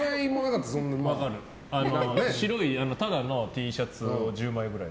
白いただのＴシャツを１０枚ぐらい。